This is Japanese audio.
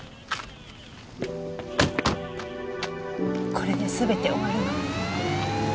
これで全て終わるわ。